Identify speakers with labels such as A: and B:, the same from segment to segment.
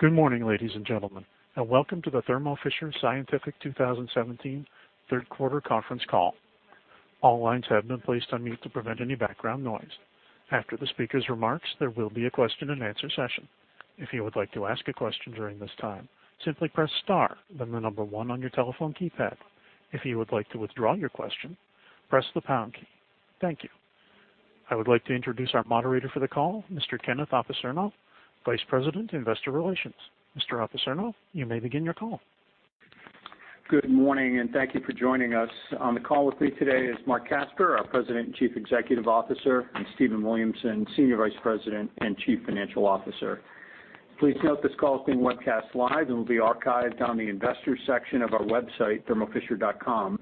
A: Good morning, ladies and gentlemen, welcome to the Thermo Fisher Scientific 2017 third quarter conference call. All lines have been placed on mute to prevent any background noise. After the speakers' remarks, there will be a question and answer session. If you would like to ask a question during this time, simply press star, then the number one on your telephone keypad. If you would like to withdraw your question, press the pound key. Thank you. I would like to introduce our moderator for the call, Mr. Kenneth Apicerno, Vice President, Investor Relations. Mr. Apicerno, you may begin your call.
B: Good morning. Thank you for joining us. On the call with me today is Marc Casper, our President and Chief Executive Officer, and Stephen Williamson, Senior Vice President and Chief Financial Officer. Please note this call is being webcast live and will be archived on the investors section of our website, thermofisher.com,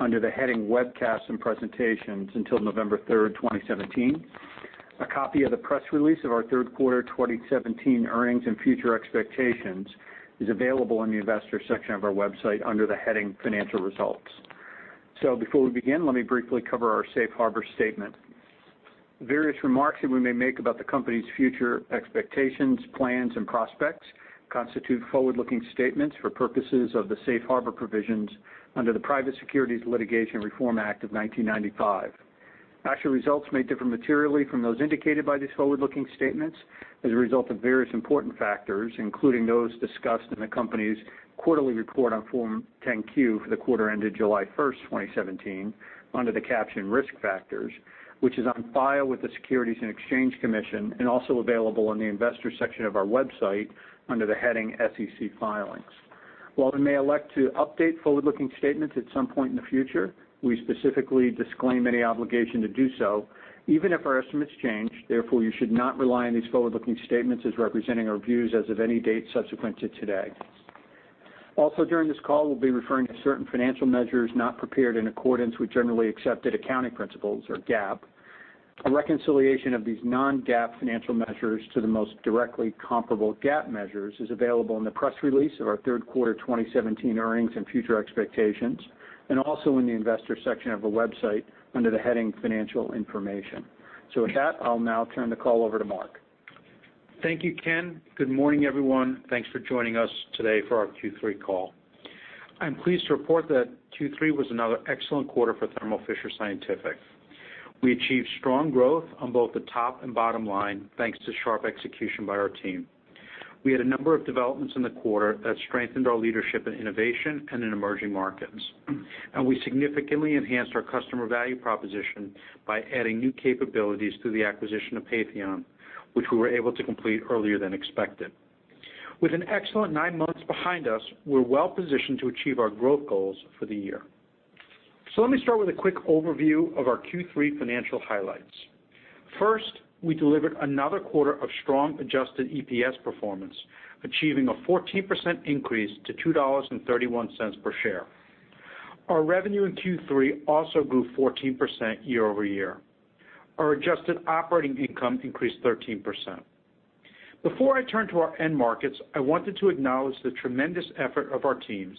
B: under the heading Webcasts and Presentations until November 3rd, 2017. A copy of the press release of our third quarter 2017 earnings and future expectations is available on the investors section of our website under the heading Financial Results. Before we begin, let me briefly cover our safe harbor statement. Various remarks that we may make about the company's future expectations, plans, and prospects constitute forward-looking statements for purposes of the safe harbor provisions under the Private Securities Litigation Reform Act of 1995. Actual results may differ materially from those indicated by these forward-looking statements as a result of various important factors, including those discussed in the company's quarterly report on Form 10-Q for the quarter ended July 1st, 2017, under the caption Risk Factors, which is on file with the Securities and Exchange Commission and also available on the investors section of our website under the heading SEC Filings. While we may elect to update forward-looking statements at some point in the future, we specifically disclaim any obligation to do so, even if our estimates change. Therefore, you should not rely on these forward-looking statements as representing our views as of any date subsequent to today. Also, during this call, we'll be referring to certain financial measures not prepared in accordance with generally accepted accounting principles or GAAP. A reconciliation of these non-GAAP financial measures to the most directly comparable GAAP measures is available in the press release of our third quarter 2017 earnings and future expectations, and also in the investors section of the website under the heading Financial Information. With that, I'll now turn the call over to Marc.
C: Thank you, Ken. Good morning, everyone. Thanks for joining us today for our Q3 call. I'm pleased to report that Q3 was another excellent quarter for Thermo Fisher Scientific. We achieved strong growth on both the top and bottom line, thanks to sharp execution by our team. We had a number of developments in the quarter that strengthened our leadership in innovation and in emerging markets, and we significantly enhanced our customer value proposition by adding new capabilities through the acquisition of Patheon, which we were able to complete earlier than expected. With an excellent nine months behind us, we're well positioned to achieve our growth goals for the year. Let me start with a quick overview of our Q3 financial highlights. First, we delivered another quarter of strong adjusted EPS performance, achieving a 14% increase to $2.31 per share. Our revenue in Q3 also grew 14% year-over-year. Our adjusted operating income increased 13%. Before I turn to our end markets, I wanted to acknowledge the tremendous effort of our teams.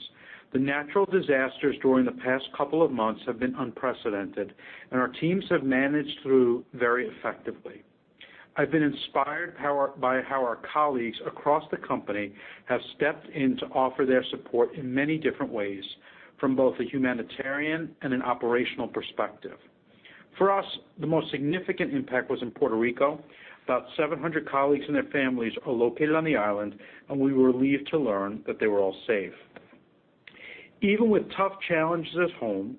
C: The natural disasters during the past couple of months have been unprecedented, and our teams have managed through very effectively. I've been inspired by how our colleagues across the company have stepped in to offer their support in many different ways, from both a humanitarian and an operational perspective. For us, the most significant impact was in Puerto Rico. About 700 colleagues and their families are located on the island, and we were relieved to learn that they were all safe. Even with tough challenges at home,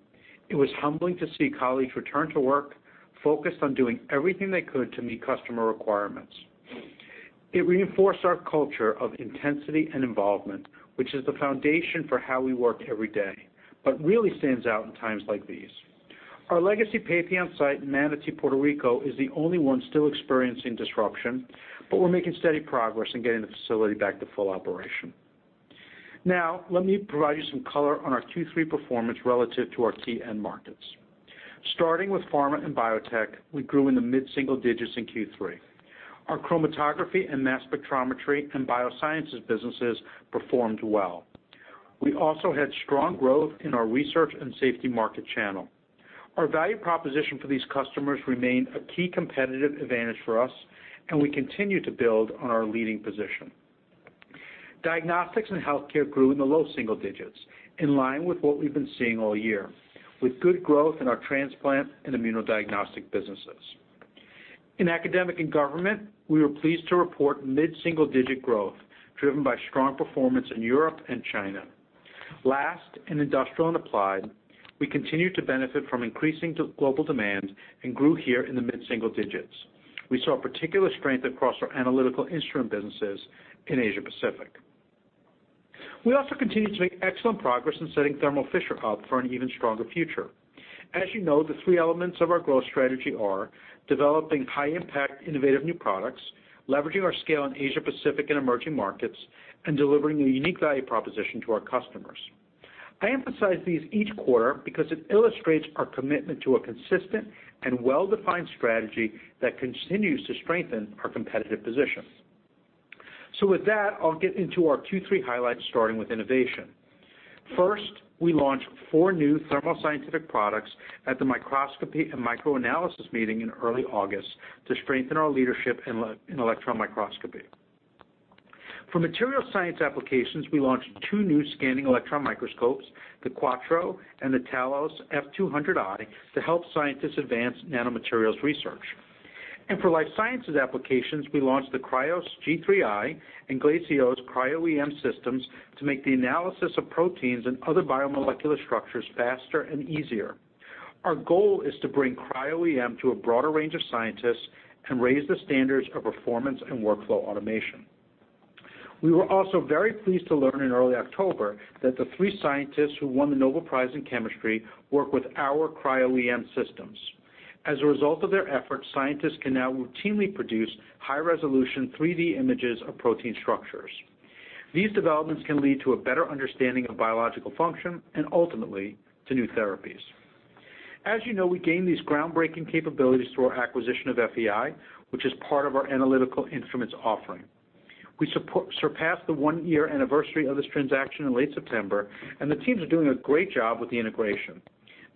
C: it was humbling to see colleagues return to work, focused on doing everything they could to meet customer requirements. It reinforced our culture of intensity and involvement, which is the foundation for how we work every day, but really stands out in times like these. Our legacy Patheon site in Manatí, Puerto Rico, is the only one still experiencing disruption, but we're making steady progress in getting the facility back to full operation. Let me provide you some color on our Q3 performance relative to our key end markets. Starting with pharma and biotech, we grew in the mid-single digits in Q3. Our chromatography and mass spectrometry and biosciences businesses performed well. We also had strong growth in our research and safety market channel. Our value proposition for these customers remained a key competitive advantage for us, and we continue to build on our leading position. Diagnostics and healthcare grew in the low single digits, in line with what we've been seeing all year, with good growth in our transplant and immunodiagnostic businesses. In academic and government, we were pleased to report mid-single-digit growth, driven by strong performance in Europe and China. Last, in industrial and applied, we continued to benefit from increasing global demand and grew here in the mid-single digits. We saw particular strength across our analytical instrument businesses in Asia-Pacific. We also continued to make excellent progress in setting Thermo Fisher up for an even stronger future. As you know, the three elements of our growth strategy are developing high-impact, innovative new products, leveraging our scale in Asia-Pacific and emerging markets, and delivering a unique value proposition to our customers. I emphasize these each quarter because it illustrates our commitment to a consistent and well-defined strategy that continues to strengthen our competitive position. With that, I'll get into our Q3 highlights, starting with innovation. First, we launched 4 new Thermo Scientific products at the Microscopy & Microanalysis Meeting in early August to strengthen our leadership in electron microscopy. For material science applications, we launched 2 new scanning electron microscopes, the Quattro and the Talos F200i, to help scientists advance nanomaterials research. For life sciences applications, we launched the Krios G3i and Glacios Cryo-EM systems to make the analysis of proteins and other biomolecular structures faster and easier. Our goal is to bring Cryo-EM to a broader range of scientists and raise the standards of performance and workflow automation. We were also very pleased to learn in early October that the 3 scientists who won the Nobel Prize in chemistry work with our Cryo-EM systems. As a result of their efforts, scientists can now routinely produce high-resolution 3D images of protein structures. These developments can lead to a better understanding of biological function, ultimately, to new therapies. As you know, we gain these groundbreaking capabilities through our acquisition of FEI, which is part of our Analytical Instruments offering. We surpassed the one-year anniversary of this transaction in late September, the teams are doing a great job with the integration.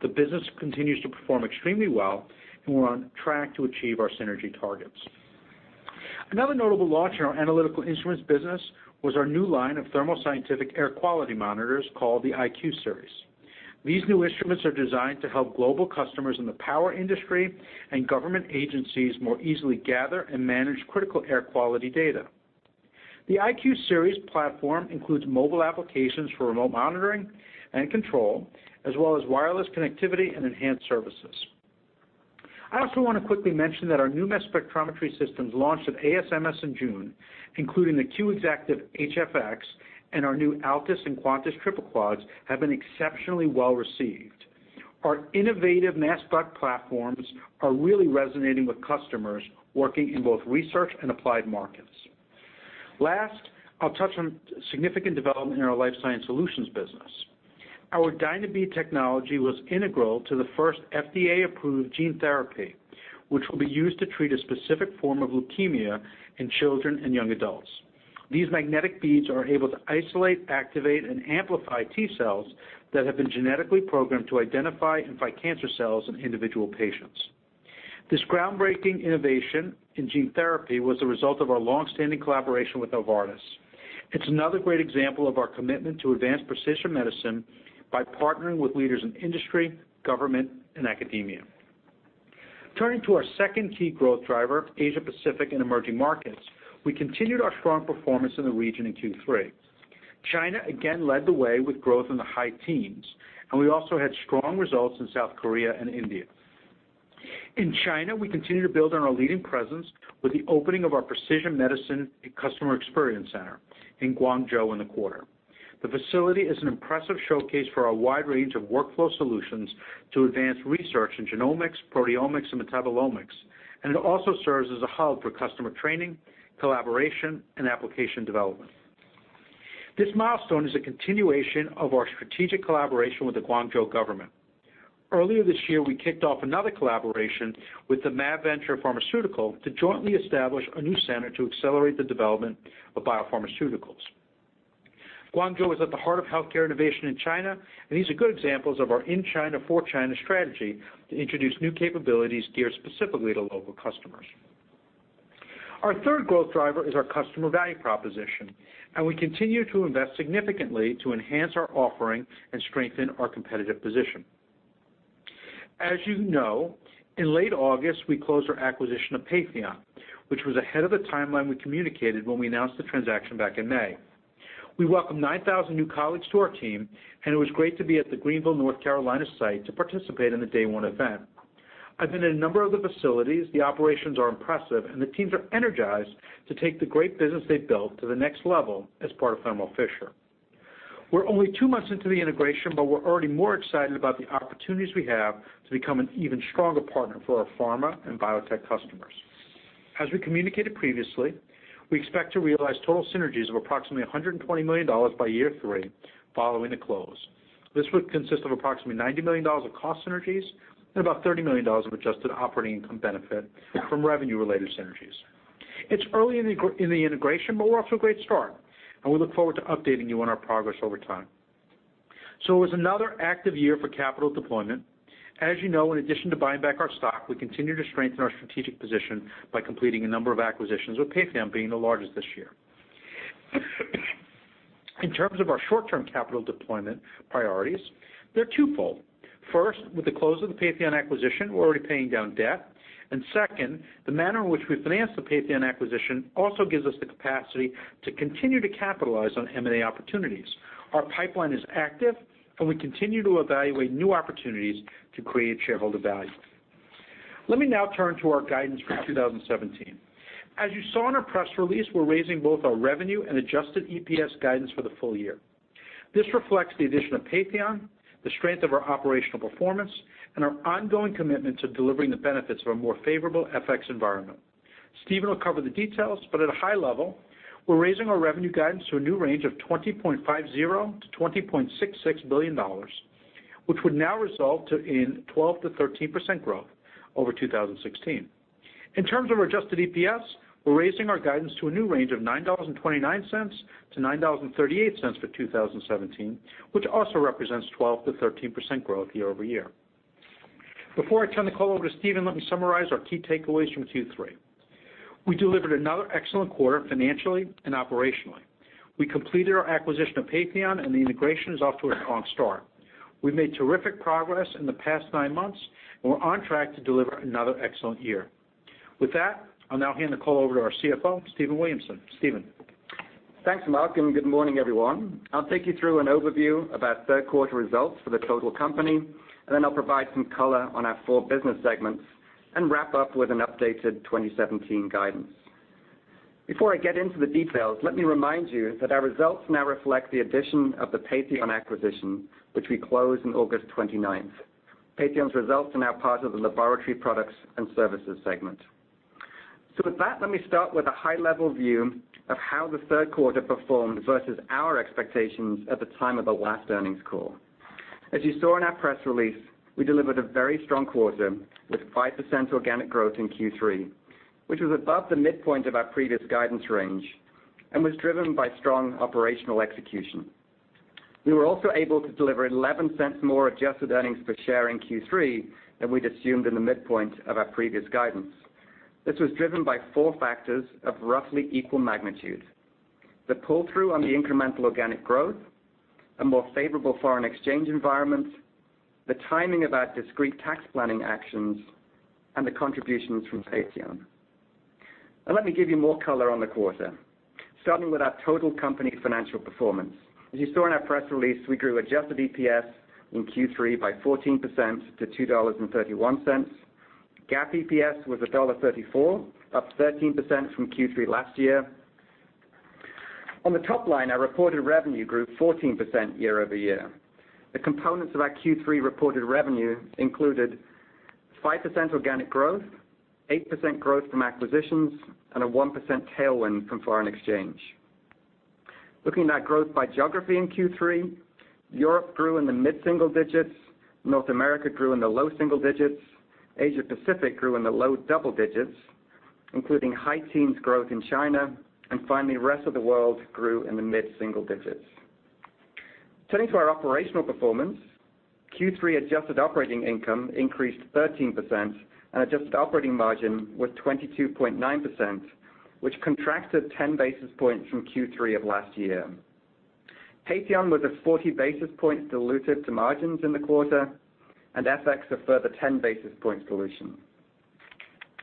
C: The business continues to perform extremely well, we're on track to achieve our synergy targets. Another notable launch in our Analytical Instruments business was our new line of Thermo Scientific air quality monitors, called the iQ Series. These new instruments are designed to help global customers in the power industry and government agencies more easily gather and manage critical air quality data. The iQ Series platform includes mobile applications for remote monitoring and control, as well as wireless connectivity and enhanced services. I also want to quickly mention that our new mass spectrometry systems launched at ASMS in June, including the Q Exactive HF-X and our new TSQ Altis and Quantis triple quads, have been exceptionally well-received. Our innovative mass spec platforms are really resonating with customers working in both research and applied markets. I'll touch on a significant development in our Life Sciences Solutions business. Our Dynabeads technology was integral to the first FDA-approved gene therapy, which will be used to treat a specific form of leukemia in children and young adults. These magnetic beads are able to isolate, activate, and amplify T cells that have been genetically programmed to identify and fight cancer cells in individual patients. This groundbreaking innovation in gene therapy was the result of our longstanding collaboration with Novartis. It's another great example of our commitment to advance precision medicine by partnering with leaders in industry, government, and academia. Turning to our second key growth driver, Asia-Pacific and emerging markets, we continued our strong performance in the region in Q3. China again led the way with growth in the high teens, we also had strong results in South Korea and India. In China, we continue to build on our leading presence with the opening of our Precision Medicine and Customer Experience Center in Guangzhou in the quarter. The facility is an impressive showcase for our wide range of workflow solutions to advance research in genomics, proteomics, and metabolomics, it also serves as a hub for customer training, collaboration, and application development. This milestone is a continuation of our strategic collaboration with the Guangzhou government. Earlier this year, we kicked off another collaboration with the Mab-Venture Pharmaceutical to jointly establish a new center to accelerate the development of biopharmaceuticals. Guangzhou is at the heart of healthcare innovation in China, and these are good examples of our In China for China Strategy to introduce new capabilities geared specifically to local customers. Our third growth driver is our customer value proposition, and we continue to invest significantly to enhance our offering and strengthen our competitive position. As you know, in late August, we closed our acquisition of Patheon, which was ahead of the timeline we communicated when we announced the transaction back in May. We welcomed 9,000 new colleagues to our team, and it was great to be at the Greenville, North Carolina site to participate in the Day One Event. I've been in a number of the facilities. The operations are impressive, and the teams are energized to take the great business they've built to the next level as part of Thermo Fisher. We're only two months into the integration, but we're already more excited about the opportunities we have to become an even stronger partner for our pharma and biotech customers. As we communicated previously, we expect to realize total synergies of approximately $120 million by year three following the close. This would consist of approximately $90 million of cost synergies and about $30 million of adjusted operating income benefit from revenue-related synergies. It's early in the integration, but we're off to a great start, and we look forward to updating you on our progress over time. It was another active year for capital deployment. As you know, in addition to buying back our stock, we continue to strengthen our strategic position by completing a number of acquisitions, with Patheon being the largest this year. In terms of our short-term capital deployment priorities, they're twofold. First, with the close of the Patheon acquisition, we're already paying down debt. Second, the manner in which we financed the Patheon acquisition also gives us the capacity to continue to capitalize on M&A opportunities. Our pipeline is active, and we continue to evaluate new opportunities to create shareholder value. Let me now turn to our guidance for 2017. As you saw in our press release, we're raising both our revenue and adjusted EPS guidance for the full year. This reflects the addition of Patheon, the strength of our operational performance, and our ongoing commitment to delivering the benefits of a more favorable FX environment. Stephen will cover the details, but at a high level, we're raising our revenue guidance to a new range of $20.50 billion-$20.66 billion Which would now result in 12%-13% growth over 2016. In terms of our adjusted EPS, we're raising our guidance to a new range of $9.29-$9.38 for 2017, which also represents 12%-13% growth year-over-year. Before I turn the call over to Stephen, let me summarize our key takeaways from Q3. We delivered another excellent quarter, financially and operationally. We completed our acquisition of Patheon, and the integration is off to a strong start. We've made terrific progress in the past nine months, and we're on track to deliver another excellent year. With that, I'll now hand the call over to our CFO, Stephen Williamson. Stephen?
D: Thanks, Marc, and good morning, everyone. I'll take you through an overview of our third quarter results for the total company. Then I'll provide some color on our four business segments and wrap up with an updated 2017 guidance. Before I get into the details, let me remind you that our results now reflect the addition of the Patheon acquisition, which we closed on August 29th. Patheon's results are now part of the Laboratory Products and Services segment. With that, let me start with a high-level view of how the third quarter performed versus our expectations at the time of the last earnings call. As you saw in our press release, we delivered a very strong quarter with 5% organic growth in Q3, which was above the midpoint of our previous guidance range and was driven by strong operational execution. We were also able to deliver $0.11 more adjusted earnings per share in Q3 than we'd assumed in the midpoint of our previous guidance. This was driven by four factors of roughly equal magnitude. The pull-through on the incremental organic growth, a more favorable foreign exchange environment, the timing of our discrete tax planning actions, and the contributions from Patheon. Let me give you more color on the quarter, starting with our total company financial performance. As you saw in our press release, we grew adjusted EPS in Q3 by 14% to $2.31. GAAP EPS was $1.34, up 13% from Q3 last year. On the top line, our reported revenue grew 14% year-over-year. The components of our Q3 reported revenue included 5% organic growth, 8% growth from acquisitions, and a 1% tailwind from foreign exchange. Looking at growth by geography in Q3, Europe grew in the mid-single digits, North America grew in the low single digits, Asia-Pacific grew in the low double digits, including high teens growth in China. Finally, rest of the world grew in the mid-single digits. Turning to our operational performance, Q3 adjusted operating income increased 13%, and adjusted operating margin was 22.9%, which contracted 10 basis points from Q3 of last year. Patheon was a 40 basis points dilutive to margins in the quarter, and FX a further 10 basis points dilution.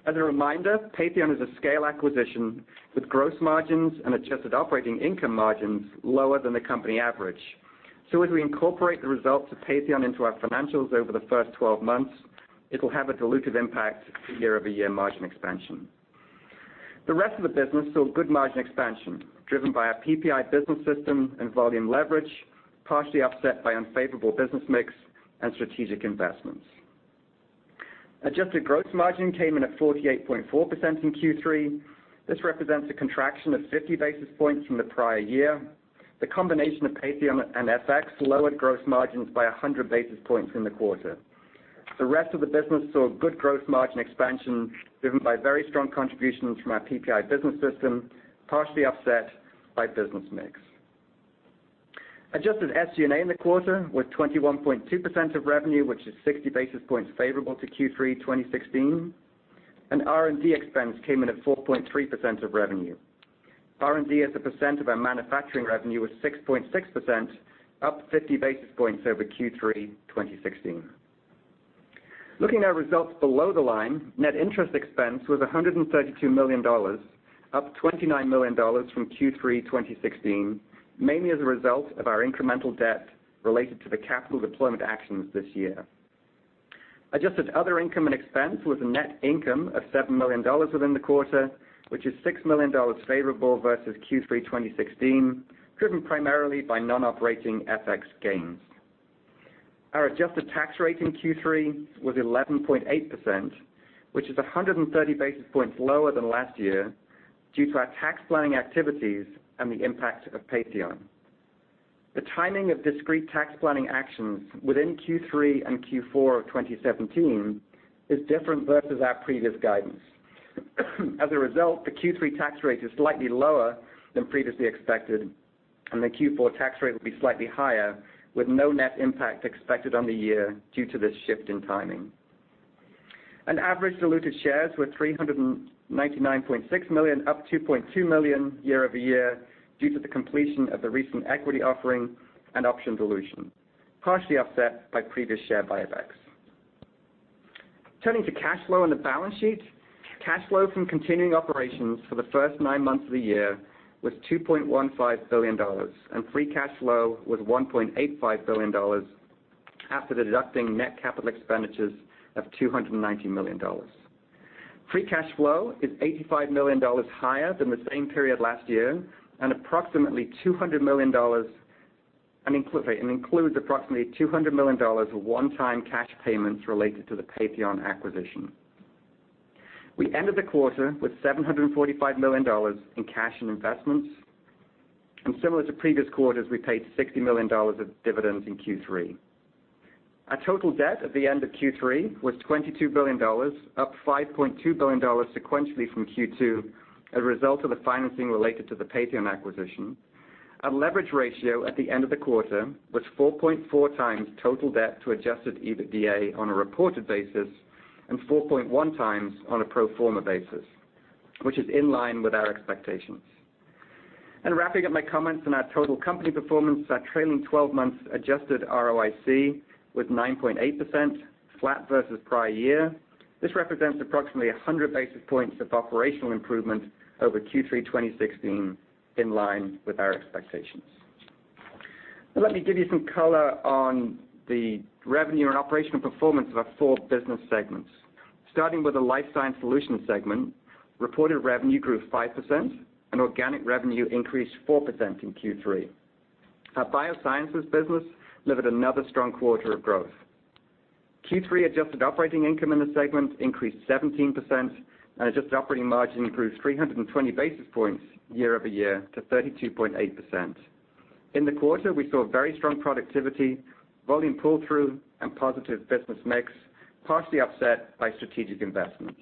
D: As a reminder, Patheon is a scale acquisition with gross margins and adjusted operating income margins lower than the company average. As we incorporate the results of Patheon into our financials over the first 12 months, it will have a dilutive impact to year-over-year margin expansion. The rest of the business saw good margin expansion, driven by our PPI business system and volume leverage, partially offset by unfavorable business mix and strategic investments. Adjusted gross margin came in at 48.4% in Q3. This represents a contraction of 50 basis points from the prior year. The combination of Patheon and FX lowered gross margins by 100 basis points in the quarter. The rest of the business saw good gross margin expansion driven by very strong contributions from our PPI business system, partially offset by business mix. Adjusted SG&A in the quarter was 21.2% of revenue, which is 60 basis points favorable to Q3 2016. R&D expense came in at 4.3% of revenue. R&D as a percent of our manufacturing revenue was 6.6%, up 50 basis points over Q3 2016. Looking at our results below the line, net interest expense was $132 million, up $29 million from Q3 2016, mainly as a result of our incremental debt related to the capital deployment actions this year. Adjusted other income and expense was a net income of $7 million within the quarter, which is $6 million favorable versus Q3 2016, driven primarily by non-operating FX gains. Our adjusted tax rate in Q3 was 11.8%, which is 130 basis points lower than last year due to our tax planning activities and the impact of Patheon. The timing of discrete tax planning actions within Q3 and Q4 of 2017 is different versus our previous guidance. As a result, the Q3 tax rate is slightly lower than previously expected, and the Q4 tax rate will be slightly higher with no net impact expected on the year due to this shift in timing. Average diluted shares were 399.6 million, up 2.2 million year-over-year due to the completion of the recent equity offering and option dilution, partially offset by previous share buybacks. Turning to cash flow and the balance sheet, cash flow from continuing operations for the first nine months of the year was $2.15 billion and free cash flow was $1.85 billion after deducting net capital expenditures of $290 million. Free cash flow is $85 million higher than the same period last year and includes approximately $200 million of one-time cash payments related to the Patheon acquisition. We ended the quarter with $745 million in cash and investments. Similar to previous quarters, we paid $60 million of dividends in Q3. Our total debt at the end of Q3 was $22 billion, up $5.2 billion sequentially from Q2 as a result of the financing related to the Patheon acquisition. Our leverage ratio at the end of the quarter was 4.4x total debt to adjusted EBITDA on a reported basis, and 4.1x on a pro forma basis, which is in line with our expectations. Wrapping up my comments on our total company performance, our trailing 12 months adjusted ROIC was 9.8%, flat versus prior year. This represents approximately 100 basis points of operational improvement over Q3 2016, in line with our expectations. Now let me give you some color on the revenue and operational performance of our four business segments. Starting with the Life Sciences Solutions segment, reported revenue grew 5%, and organic revenue increased 4% in Q3. Our biosciences business delivered another strong quarter of growth. Q3 adjusted operating income in the segment increased 17%, and adjusted operating margin improved 320 basis points year-over-year to 32.8%. In the quarter, we saw very strong productivity, volume pull-through, and positive business mix, partially offset by strategic investments.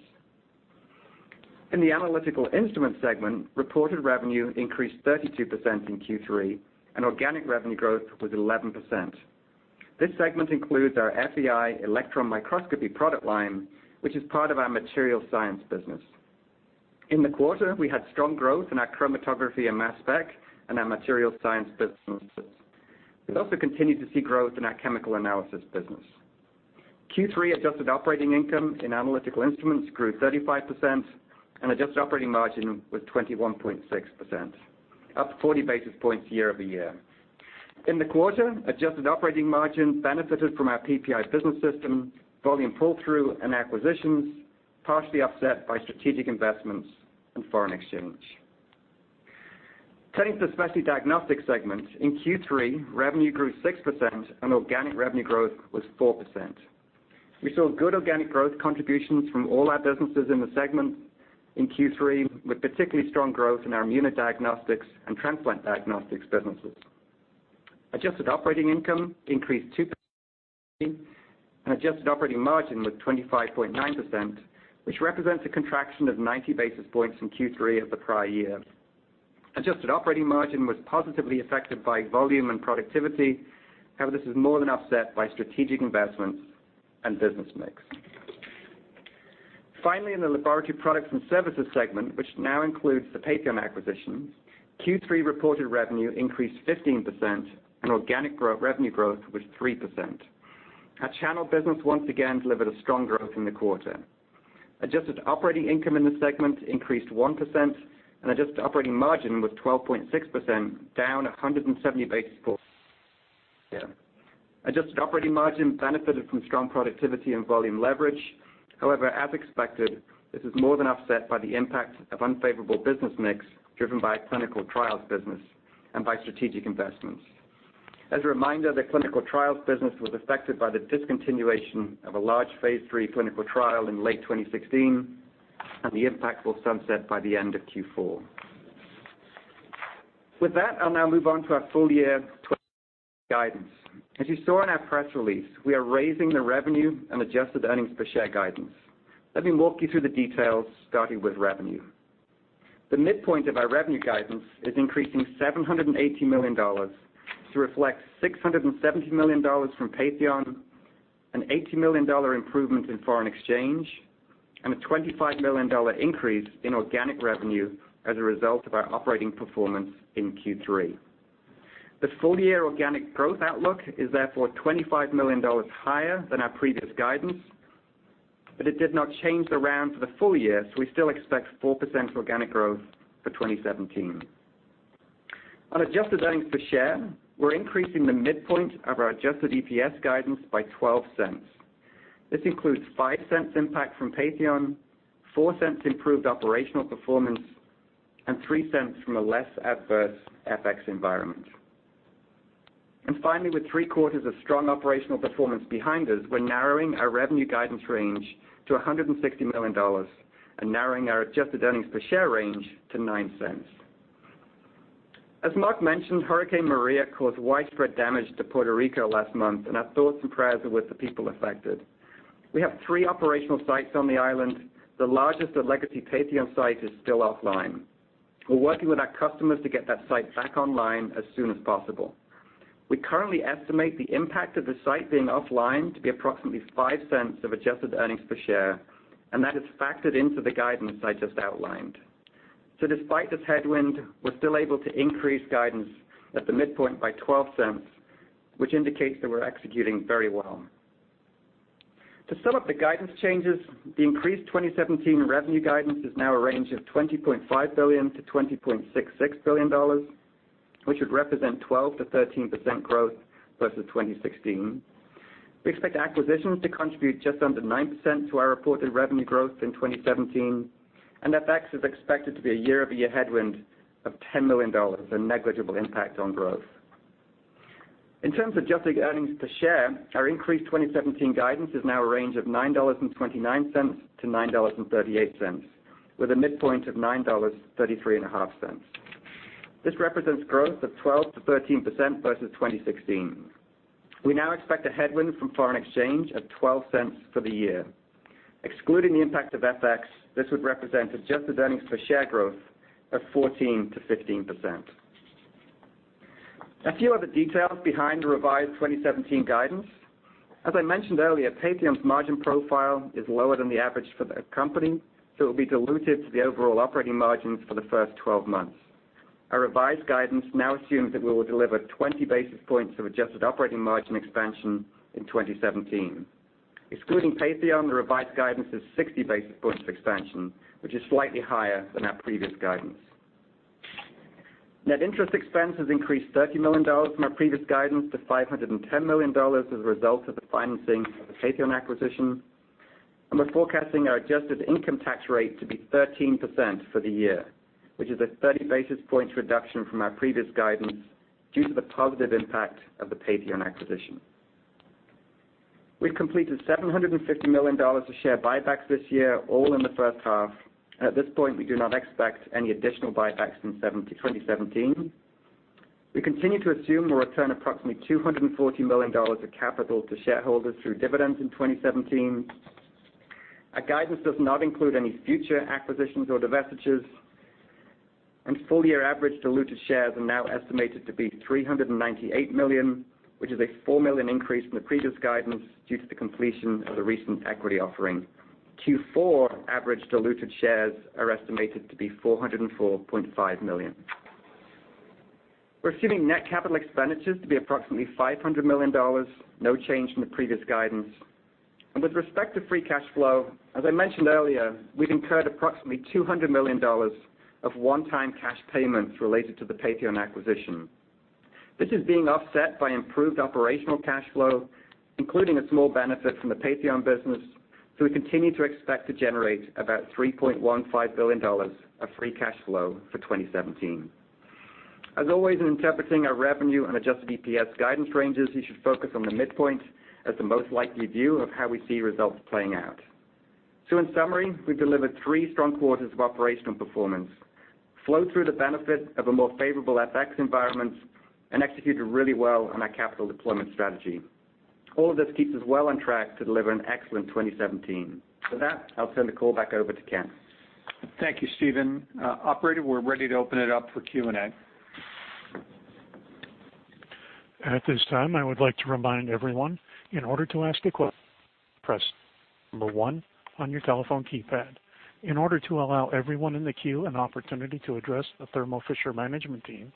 D: In the Analytical Instruments segment, reported revenue increased 32% in Q3, and organic revenue growth was 11%. This segment includes our FEI electron microscopy product line, which is part of our material science business. In the quarter, we had strong growth in our chromatography and mass spec and our material science businesses. We also continued to see growth in our chemical analysis business. Q3 adjusted operating income in Analytical Instruments grew 35%, and adjusted operating margin was 21.6%, up 40 basis points year-over-year. In the quarter, adjusted operating margin benefited from our PPI business system, volume pull-through and acquisitions, partially offset by strategic investments and foreign exchange. Turning to the Specialty Diagnostics segment, in Q3, revenue grew 6%, and organic revenue growth was 4%. We saw good organic growth contributions from all our businesses in the segment in Q3, with particularly strong growth in our immunodiagnostics and transplant diagnostics businesses. Adjusted operating income increased 2%, and adjusted operating margin was 25.9%, which represents a contraction of 90 basis points in Q3 of the prior year. Adjusted operating margin was positively affected by volume and productivity. This was more than offset by strategic investments and business mix. Finally, in the Laboratory Products and Services segment, which now includes the Patheon acquisition, Q3 reported revenue increased 15%, and organic revenue growth was 3%. Our channel business once again delivered a strong growth in the quarter. Adjusted operating income in the segment increased 1%, and adjusted operating margin was 12.6%, down 170 basis points. Adjusted operating margin benefited from strong productivity and volume leverage. As expected, this was more than offset by the impact of unfavorable business mix driven by our clinical trials business and by strategic investments. As a reminder, the clinical trials business was affected by the discontinuation of a large phase III clinical trial in late 2016, and the impact will sunset by the end of Q4. With that, I'll now move on to our full year guidance. As you saw in our press release, we are raising the revenue and adjusted earnings per share guidance. Let me walk you through the details, starting with revenue. The midpoint of our revenue guidance is increasing $780 million to reflect $675 million from Patheon, an $80 million improvement in foreign exchange, and a $25 million increase in organic revenue as a result of our operating performance in Q3. The full year organic growth outlook is therefore $25 million higher than our previous guidance, but it did not change the round for the full year, so we still expect 4% organic growth for 2017. On adjusted earnings per share, we're increasing the midpoint of our adjusted EPS guidance by $0.12. This includes $0.05 impact from Patheon, $0.04 improved operational performance, and $0.03 from a less adverse FX environment. Finally, with three quarters of strong operational performance behind us, we're narrowing our revenue guidance range to $160 million and narrowing our adjusted earnings per share range to $0.09. As Marc mentioned, Hurricane Maria caused widespread damage to Puerto Rico last month, and our thoughts and prayers are with the people affected. We have three operational sites on the island. The largest, a legacy Patheon site, is still offline. We're working with our customers to get that site back online as soon as possible. We currently estimate the impact of the site being offline to be approximately $0.05 of adjusted earnings per share, and that is factored into the guidance I just outlined. Despite this headwind, we're still able to increase guidance at the midpoint by $0.12, which indicates that we're executing very well. To sum up the guidance changes, the increased 2017 revenue guidance is now a range of $20.5 billion to $20.66 billion, which would represent 12%-13% growth versus 2016. We expect acquisitions to contribute just under 9% to our reported revenue growth in 2017, and FX is expected to be a year-over-year headwind of $10 million, a negligible impact on growth. In terms of adjusted earnings per share, our increased 2017 guidance is now a range of $9.29 to $9.38, with a midpoint of $9.335. This represents growth of 12%-13% versus 2016. We now expect a headwind from foreign exchange of $0.12 for the year. Excluding the impact of FX, this would represent adjusted earnings per share growth of 14%-15%. A few other details behind the revised 2017 guidance. As I mentioned earlier, Patheon's margin profile is lower than the average for the company, so it will be dilutive to the overall operating margins for the first 12 months. Our revised guidance now assumes that we will deliver 20 basis points of adjusted operating margin expansion in 2017. Excluding Patheon, the revised guidance is 60 basis points expansion, which is slightly higher than our previous guidance. Net interest expense has increased $30 million from our previous guidance to $510 million as a result of the financing of the Patheon acquisition. We're forecasting our adjusted income tax rate to be 13% for the year, which is a 30 basis points reduction from our previous guidance due to the positive impact of the Patheon acquisition. We've completed $750 million of share buybacks this year, all in the first half. At this point, we do not expect any additional buybacks in 2017. We continue to assume we'll return approximately $240 million of capital to shareholders through dividends in 2017. Our guidance does not include any future acquisitions or divestitures, and full-year average diluted shares are now estimated to be 398 million, which is a 4 million increase from the previous guidance due to the completion of the recent equity offering. Q4 average diluted shares are estimated to be 404.5 million. We're assuming net capital expenditures to be approximately $500 million, no change from the previous guidance. With respect to free cash flow, as I mentioned earlier, we've incurred approximately $200 million of one-time cash payments related to the Patheon acquisition. This is being offset by improved operational cash flow, including a small benefit from the Patheon business. We continue to expect to generate about $3.15 billion of free cash flow for 2017. As always, in interpreting our revenue and adjusted EPS guidance ranges, you should focus on the midpoint as the most likely view of how we see results playing out. In summary, we've delivered three strong quarters of operational performance, flowed through the benefit of a more favorable FX environment, and executed really well on our capital deployment strategy. All of this keeps us well on track to deliver an excellent 2017. With that, I'll turn the call back over to Ken.
B: Thank you, Stephen. Operator, we're ready to open it up for Q&A.
A: At this time, I would like to remind everyone, in order to ask a question, press one on your telephone keypad. In order to allow everyone in the queue an opportunity to address the Thermo Fisher management team,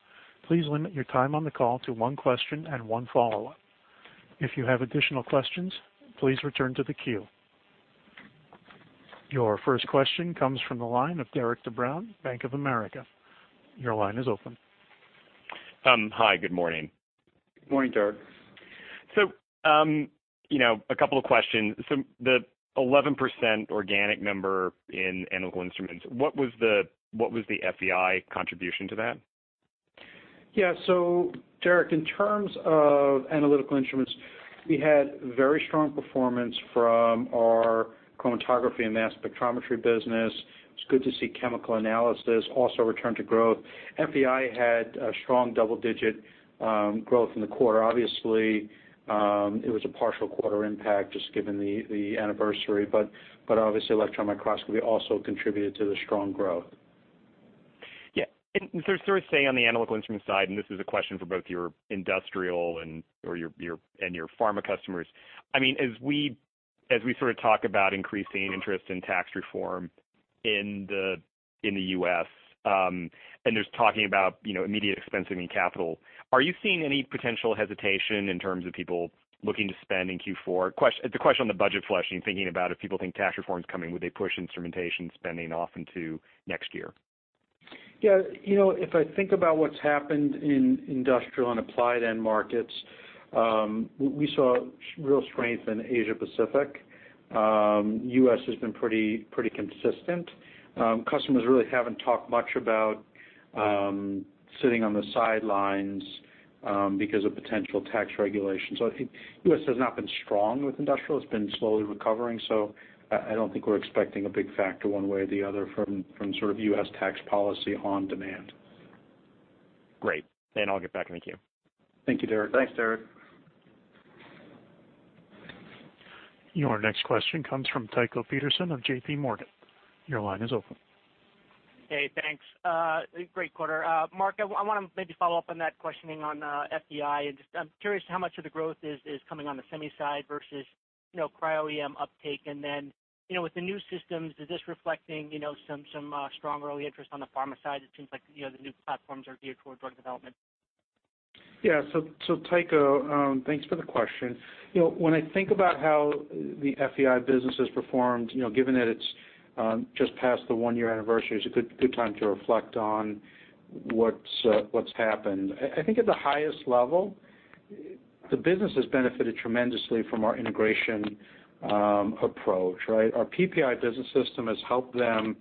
A: please limit your time on the call to one question and one follow-up. If you have additional questions, please return to the queue. Your first question comes from the line of Derik de Bruin, Bank of America. Your line is open.
E: Hi, good morning.
C: Good morning, Derik.
E: A couple of questions. The 11% organic number in Analytical Instruments, what was the FEI contribution to that?
C: Derik, in terms of Analytical Instruments, we had very strong performance from our chromatography and mass spectrometry business. It's good to see chemical analysis also return to growth. FEI had a strong double-digit growth in the quarter. Obviously, it was a partial quarter impact just given the anniversary, but obviously, electron microscopy also contributed to the strong growth.
E: Sort of staying on the Analytical Instruments side, this is a question for both your industrial and your pharma customers. As we sort of talk about increasing interest in tax reform in the U.S., there's talking about immediate expensing in capital, are you seeing any potential hesitation in terms of people looking to spend in Q4? The question on the budget flushing, thinking about if people think tax reform is coming, would they push instrumentation spending off into next year?
C: If I think about what's happened in industrial and applied end markets, we saw real strength in Asia Pacific. U.S. has been pretty consistent. Customers really haven't talked much about sitting on the sidelines because of potential tax regulations. I think U.S. has not been strong with industrial. It's been slowly recovering. I don't think we're expecting a big factor one way or the other from sort of U.S. tax policy on demand.
E: Great. I'll get back in the queue.
C: Thank you, Derik.
D: Thanks, Derik.
A: Your next question comes from Tycho Peterson of J.P. Morgan. Your line is open.
F: Hey, thanks. Great quarter. Marc, I want to maybe follow up on that questioning on FEI, just I'm curious how much of the growth is coming on the semi side versus Cryo-EM uptake. With the new systems, is this reflecting some strong early interest on the pharma side? It seems like the new platforms are geared towards drug development.
C: Yeah. Tycho, thanks for the question. When I think about how the FEI business has performed, given that it's just past the one-year anniversary, it's a good time to reflect on what's happened. I think at the highest level the business has benefited tremendously from our integration approach, right? Our PPI business system has helped them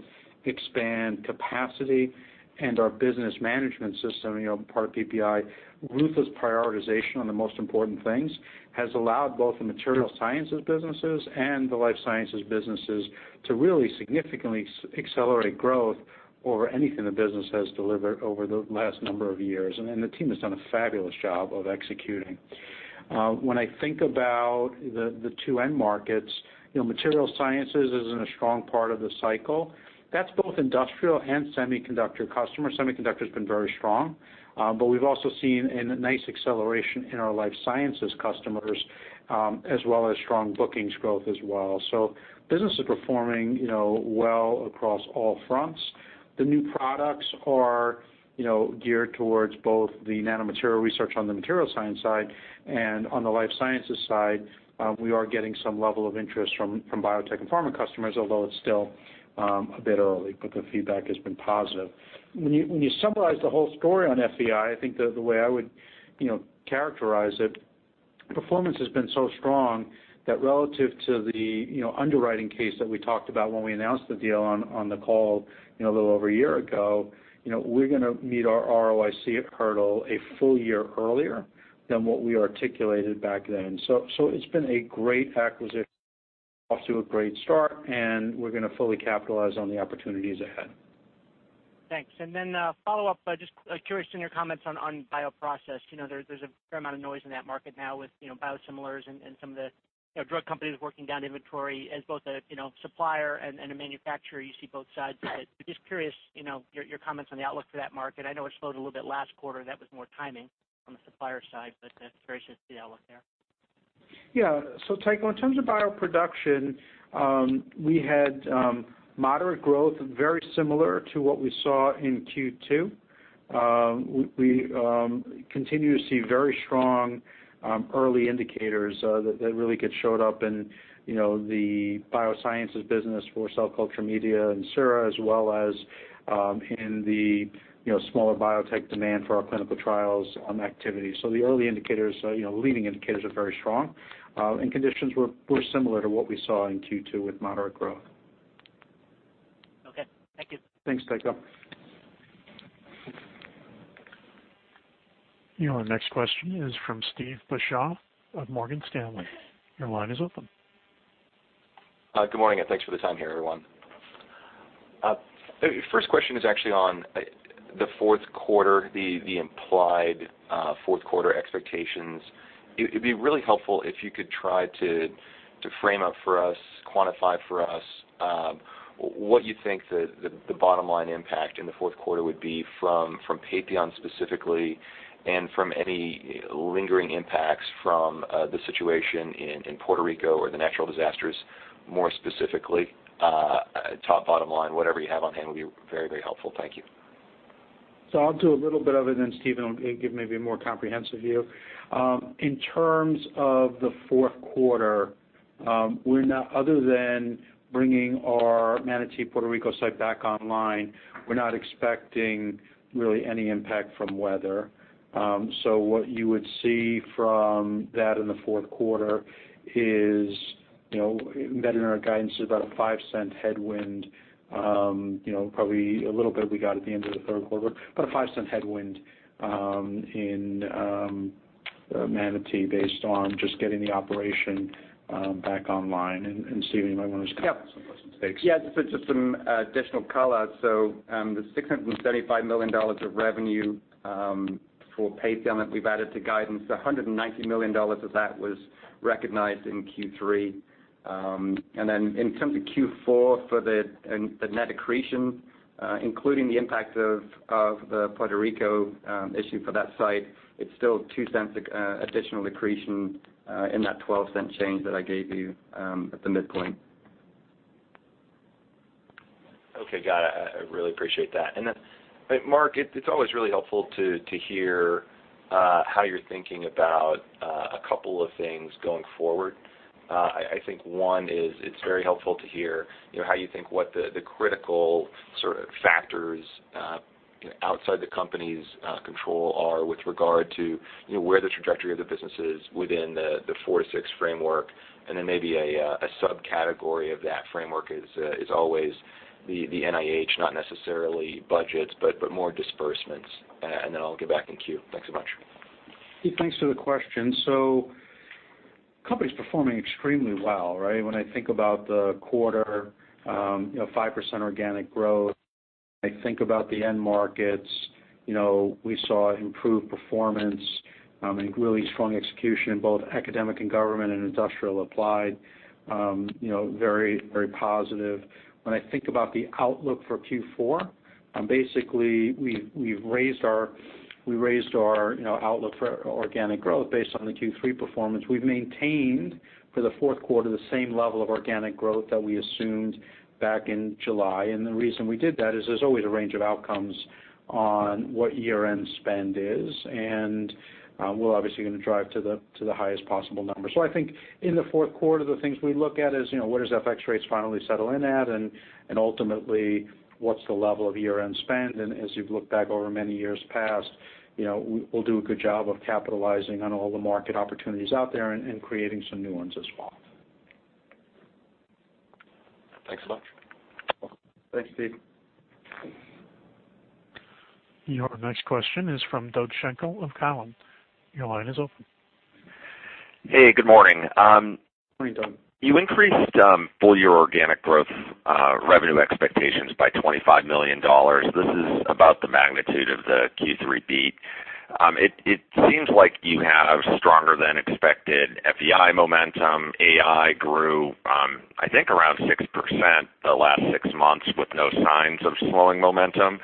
C: expand capacity and our business management system, part of PPI, ruthless prioritization on the most important things, has allowed both the material sciences businesses and the life sciences businesses to really significantly accelerate growth over anything the business has delivered over the last number of years. The team has done a fabulous job of executing. When I think about the two end markets, material sciences is in a strong part of the cycle. That's both industrial and semiconductor customers. Semiconductor's been very strong, we've also seen a nice acceleration in our life sciences customers, as well as strong bookings growth as well. Business is performing well across all fronts. The new products are geared towards both the nanomaterial research on the material science side, and on the life sciences side, we are getting some level of interest from biotech and pharma customers, although it's still a bit early, but the feedback has been positive. When you summarize the whole story on FEI, I think the way I would characterize it, performance has been so strong that relative to the underwriting case that we talked about when we announced the deal on the call a little over a year ago, we're going to meet our ROIC hurdle a full year earlier than what we articulated back then. It's been a great acquisition, off to a great start, we're going to fully capitalize on the opportunities ahead.
F: Thanks. A follow-up, just curious on your comments on bioprocess. There's a fair amount of noise in that market now with biosimilars and some of the drug companies working down inventory. As both a supplier and a manufacturer, you see both sides of it. Just curious, your comments on the outlook for that market. I know it slowed a little bit last quarter. That was more timing on the supplier side, but curious just the outlook there.
C: Yeah. Tycho, in terms of bioproduction, we had moderate growth, very similar to what we saw in Q2. We continue to see very strong early indicators that really get showed up in the biosciences business for cell culture media and sera, as well as in the smaller biotech demand for our clinical trials activity. The early indicators, leading indicators are very strong. Conditions were similar to what we saw in Q2 with moderate growth.
F: Okay. Thank you.
C: Thanks, Tycho.
A: Our next question is from Steve Beuchaw of Morgan Stanley. Your line is open.
G: Good morning, thanks for the time here, everyone. First question is actually on the fourth quarter, the implied fourth quarter expectations. It'd be really helpful if you could try to frame up for us, quantify for us, what you think the bottom line impact in the fourth quarter would be from Patheon specifically, and from any lingering impacts from the situation in Puerto Rico or the natural disasters, more specifically, top bottom line, whatever you have on hand will be very helpful. Thank you.
C: I'll do a little bit of it then, Steve, and give maybe a more comprehensive view. In terms of the fourth quarter, other than bringing our Manatí, Puerto Rico site back online, we're not expecting really any impact from weather. What you would see from that in the fourth quarter is that in our guidance is about a $0.05 headwind, probably a little bit we got at the end of the third quarter, but a $0.05 headwind in Manatí based on just getting the operation back online. Steve, you might want to just comment on some of those things.
D: Yeah, just some additional color. The $675 million of revenue for Patheon that we've added to guidance, $190 million of that was recognized in Q3. In terms of Q4 for the net accretion, including the impact of the Puerto Rico issue for that site, it's still $0.02 additional accretion in that $0.12 change that I gave you at the midpoint.
G: Okay, got it. I really appreciate that. Marc, it's always really helpful to hear how you're thinking about a couple of things going forward. I think one is it's very helpful to hear how you think what the critical sort of factors outside the company's control are with regard to where the trajectory of the business is within the four to six framework. Maybe a subcategory of that framework is always the NIH, not necessarily budgets, but more disbursements. I'll get back in queue. Thanks a bunch.
C: Steve, thanks for the question. Company's performing extremely well, right? When I think about the quarter, 5% organic growth, I think about the end markets. We saw improved performance and really strong execution in both academic and government and industrial applied, very positive. When I think about the outlook for Q4, basically we've raised our outlook for organic growth based on the Q3 performance. We've maintained for the fourth quarter the same level of organic growth that we assumed back in July, and the reason we did that is there's always a range of outcomes on what year-end spend is, and we're obviously going to drive to the highest possible number. I think in the fourth quarter, the things we look at is where does FX rates finally settle in at, and ultimately, what's the level of year-end spend? As you've looked back over many years past, we'll do a good job of capitalizing on all the market opportunities out there and creating some new ones as well.
D: Thanks so much.
C: Thanks, Steve.
A: Your next question is from Doug Schenkel of Cowen. Your line is open.
H: Hey, good morning.
C: Morning, Doug.
H: You increased full-year organic growth revenue expectations by $25 million. This is about the magnitude of the Q3 beat. It seems like you have stronger than expected FEI momentum. AI grew, I think, around 6% the last six months with no signs of slowing momentum,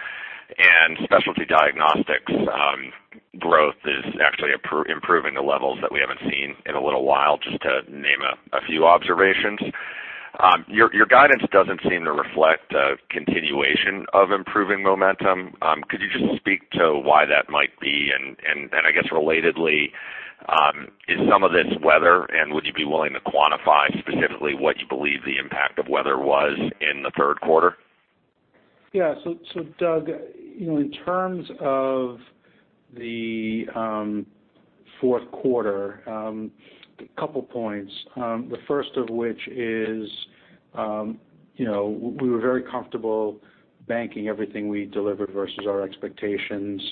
H: and Specialty Diagnostics growth is actually improving to levels that we haven't seen in a little while, just to name a few observations. Your guidance doesn't seem to reflect a continuation of improving momentum. Could you just speak to why that might be? I guess relatedly, is some of this weather, and would you be willing to quantify specifically what you believe the impact of weather was in the third quarter?
C: Yeah. Doug, in terms of the fourth quarter, a couple points. The first of which is we were very comfortable banking everything we delivered versus our expectations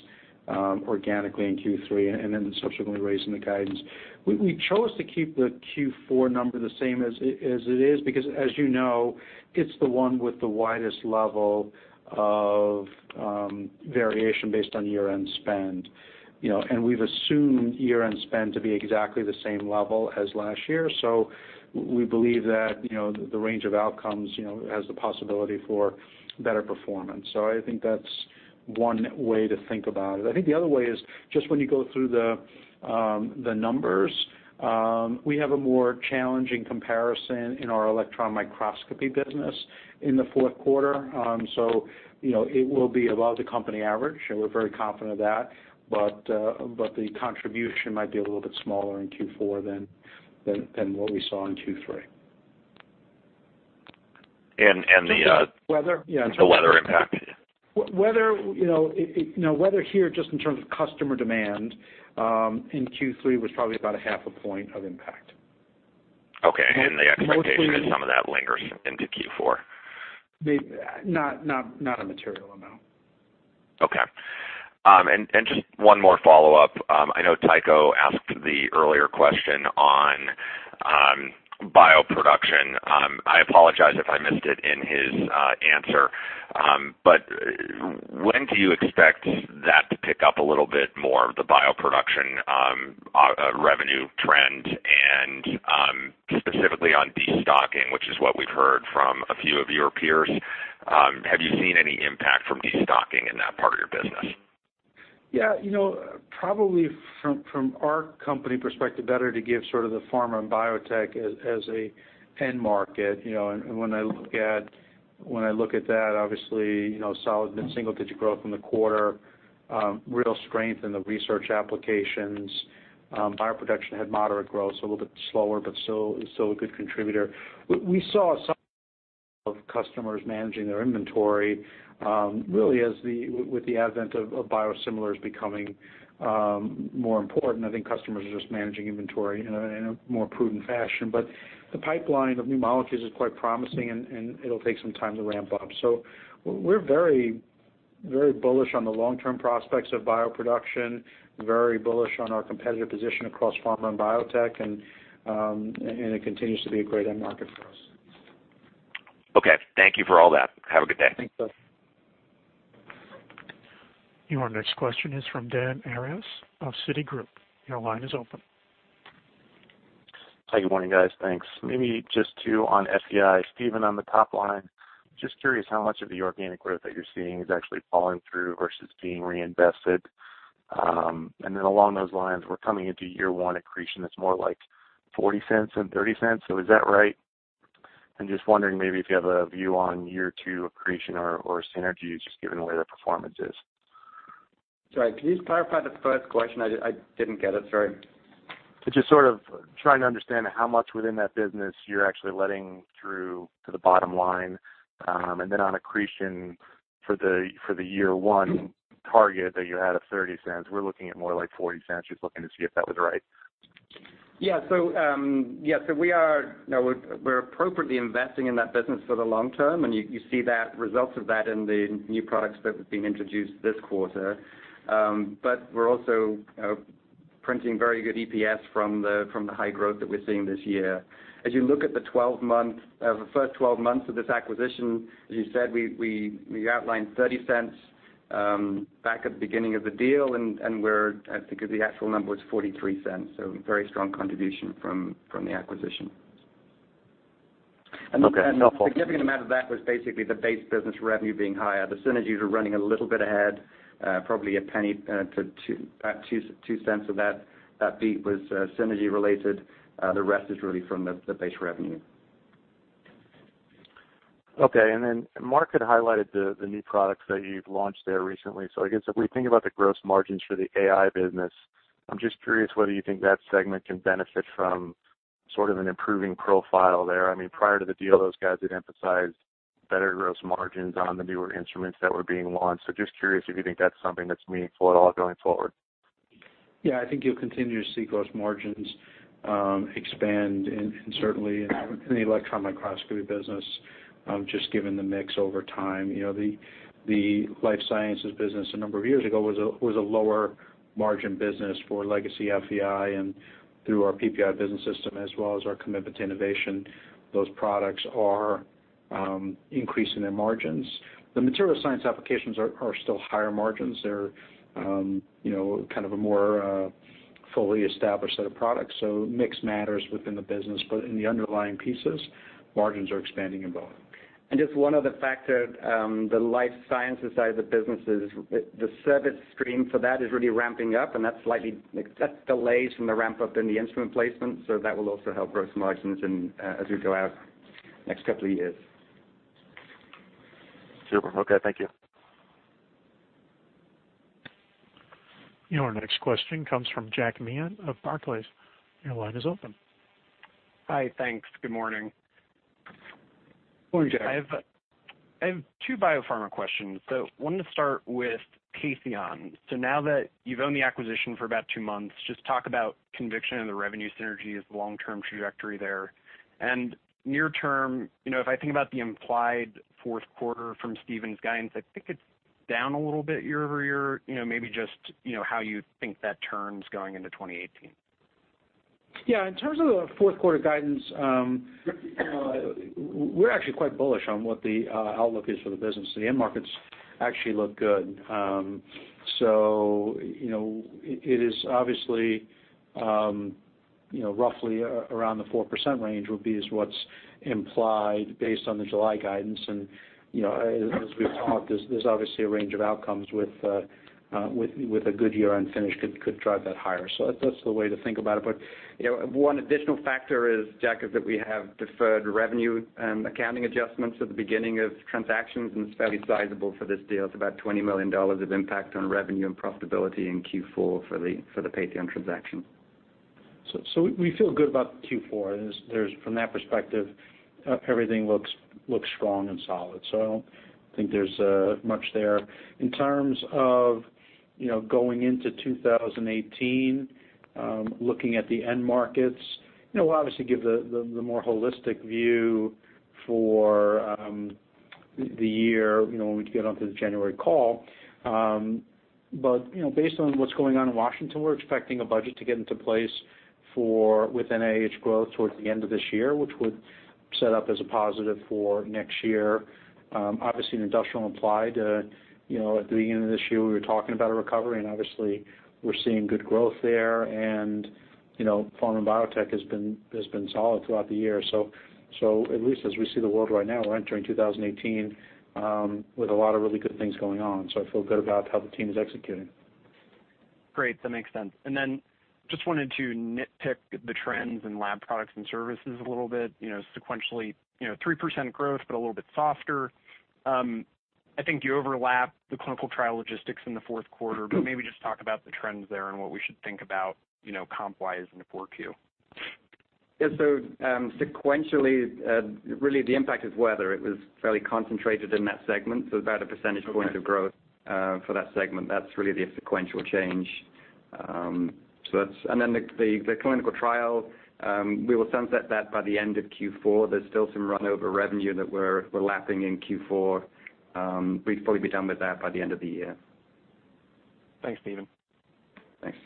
C: organically in Q3, subsequently raising the guidance. We chose to keep the Q4 number the same as it is because as you know, it's the one with the widest level of variation based on year-end spend. We've assumed year-end spend to be exactly the same level as last year. We believe that the range of outcomes has the possibility for better performance. I think that's one way to think about it. I think the other way is just when you go through the numbers, we have a more challenging comparison in our electron microscopy business in the fourth quarter. It will be above the company average, and we're very confident of that. The contribution might be a little bit smaller in Q4 than what we saw in Q3.
H: And the-
C: Weather? Yeah.
H: The weather impact.
C: Weather here, just in terms of customer demand, in Q3 was probably about a half a point of impact.
H: Okay. The expectation is some of that lingers into Q4.
C: Not a material amount.
H: Okay. Just one more follow-up. I know Tycho asked the earlier question on bioproduction. I apologize if I missed it in his answer. When do you expect that to pick up a little bit more of the bioproduction revenue trend and specifically on destocking, which is what we've heard from a few of your peers. Have you seen any impact from destocking in that part of your business?
C: Probably from our company perspective, better to give sort of the pharma and biotech as a end market. When I look at that, obviously, solid mid-single-digit growth in the quarter. Real strength in the research applications. Bioproduction had moderate growth, so a little bit slower, but still a good contributor. We saw some of customers managing their inventory, really as with the advent of biosimilars becoming more important, I think customers are just managing inventory in a more prudent fashion. The pipeline of new molecules is quite promising, and it'll take some time to ramp up. We're very bullish on the long-term prospects of bioproduction, very bullish on our competitive position across pharma and biotech, and it continues to be a great end market for us.
H: Okay. Thank you for all that. Have a good day.
C: Thanks, Doug.
A: Your next question is from Dan Arias of Citigroup. Your line is open.
I: Hi, good morning, guys. Thanks. Maybe just two on FEI. Stephen, on the top line, just curious how much of the organic growth that you're seeing is actually falling through versus being reinvested. Then along those lines, we're coming into year one accretion that's more like $0.40 than $0.30. Is that right? Just wondering maybe if you have a view on year two accretion or synergies, just given where the performance is.
D: Sorry, can you just clarify the first question? I didn't get it, sorry.
I: Just sort of trying to understand how much within that business you're actually letting through to the bottom line. On accretion for the year one target that you had of $0.30, we're looking at more like $0.40. Just looking to see if that was right.
D: Yeah. We're appropriately investing in that business for the long term, and you see results of that in the new products that have been introduced this quarter. We're also printing very good EPS from the high growth that we're seeing this year. As you look at the first 12 months of this acquisition, as you said, we outlined $0.30 back at the beginning of the deal, and I think the actual number was $0.43. Very strong contribution from the acquisition.
I: Okay.
D: A significant amount of that was basically the base business revenue being higher. The synergies are running a little bit ahead, probably $0.01 to $0.02 of that beat was synergy related. The rest is really from the base revenue.
I: Okay. Marc had highlighted the new products that you've launched there recently. I guess if we think about the gross margins for the AI Business, I'm just curious whether you think that segment can benefit from sort of an improving profile there. Prior to the deal, those guys had emphasized better gross margins on the newer instruments that were being launched. Just curious if you think that's something that's meaningful at all going forward.
C: Yeah, I think you'll continue to see gross margins expand, certainly in the electron microscopy business, just given the mix over time. The Life Sciences business, a number of years ago, was a lower margin business for legacy FEI, and through our PPI business system as well as our commitment to innovation, those products are increasing their margins. The material science applications are still higher margins. They're kind of a more fully established set of products, so mix matters within the business. In the underlying pieces, margins are expanding in both.
D: Just one other factor, the Life Sciences side of the businesses, the service stream for that is really ramping up, and that delays from the ramp-up in the instrument placement. That will also help gross margins as we go out next couple of years.
I: Super. Okay. Thank you.
A: Your next question comes from Jack Meehan of Barclays. Your line is open.
J: Hi. Thanks. Good morning.
C: Morning, Jack.
J: I have two biopharma questions. Wanted to start with Patheon. Now that you've owned the acquisition for about two months, just talk about conviction in the revenue synergies, long-term trajectory there. Near term, if I think about the implied fourth quarter from Stephen's guidance, I think it's down a little bit year-over-year, maybe just how you think that turns going into 2018.
C: Yeah. In terms of the fourth quarter guidance, we're actually quite bullish on what the outlook is for the business. The end markets actually look good. It is obviously roughly around the 4% range would be, is what's implied based on the July guidance. As we've talked, there's obviously a range of outcomes with a good year unfinished could drive that higher. That's the way to think about it. One additional factor is, Jack, is that we have deferred revenue and accounting adjustments at the beginning of transactions, and it's fairly sizable for this deal. It's about $20 million of impact on revenue and profitability in Q4 for the Patheon transaction. We feel good about Q4. From that perspective, everything looks strong and solid. I don't think there's much there. In terms of going into 2018, looking at the end markets, we'll obviously give the more holistic view for the year when we get onto the January call. Based on what's going on in Washington, we're expecting a budget to get into place with NIH growth towards the end of this year, which would set up as a positive for next year. Obviously, in industrial applied, at the beginning of this year, we were talking about a recovery, obviously we're seeing good growth there, pharma and biotech has been solid throughout the year. At least as we see the world right now, we're entering 2018 with a lot of really good things going on. I feel good about how the team is executing.
J: Great. That makes sense. Just wanted to nitpick the trends in Laboratory Products and Services a little bit. Sequentially 3% growth, a little bit softer. I think you overlapped the clinical trial logistics in the fourth quarter, maybe just talk about the trends there and what we should think about comp-wise into 4Q.
D: Yeah. Sequentially, really the impact is weather. It was fairly concentrated in that segment, about a percentage point of growth for that segment. That's really the sequential change. The clinical trial, we will sunset that by the end of Q4. There's still some run-over revenue that we're lapping in Q4. We'd probably be done with that by the end of the year.
J: Thanks, Stephen.
D: Thanks.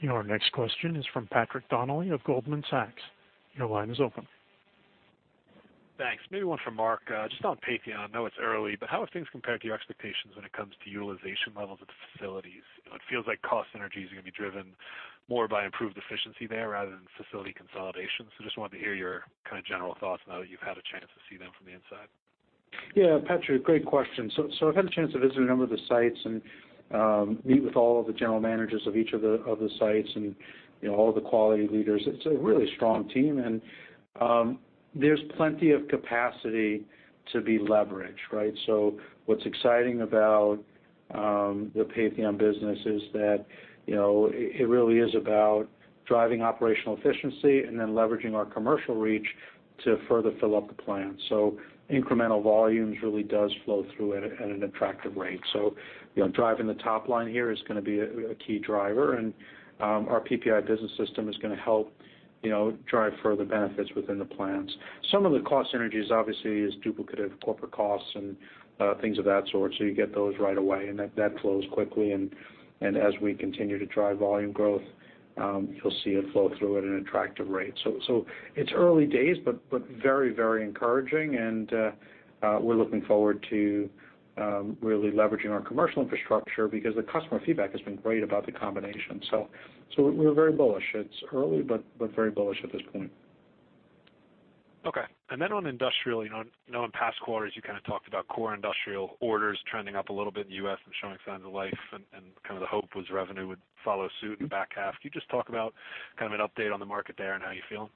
A: Your next question is from Patrick Donnelly of Goldman Sachs. Your line is open.
K: Thanks. Maybe one for Marc, just on Patheon. I know it's early, but how have things compared to your expectations when it comes to utilization levels at the facilities? It feels like cost synergies are going to be driven more by improved efficiency there rather than facility consolidation. Just wanted to hear your kind of general thoughts now that you've had a chance to see them from the inside.
C: Yeah, Patrick, great question. I've had a chance to visit a number of the sites and meet with all of the general managers of each of the sites and all the quality leaders. It's a really strong team, and there's plenty of capacity to be leveraged, right? What's exciting about the Patheon business is that it really is about driving operational efficiency and then leveraging our commercial reach to further fill up the plan. Incremental volumes really does flow through at an attractive rate. Driving the top line here is going to be a key driver, and our PPI business system is going to help drive further benefits within the plans. Some of the cost synergies obviously is duplicative corporate costs and things of that sort. You get those right away, and that flows quickly. As we continue to drive volume growth, you'll see it flow through at an attractive rate. It's early days, but very encouraging, and we're looking forward to really leveraging our commercial infrastructure because the customer feedback has been great about the combination. We're very bullish. It's early, but very bullish at this point.
K: On industrial, in past quarters, you kind of talked about core industrial orders trending up a little bit in the U.S. and showing signs of life, and kind of the hope was revenue would follow suit in the back half. Could you just talk about kind of an update on the market there and how you feel?